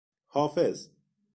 حافظ